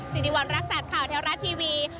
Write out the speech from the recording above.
สิริวัณรักษัตริย์ข่าวแท้รัฐทีวี